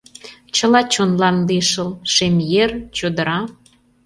Чыла чонлан лишыл: Шемъер, чодыра.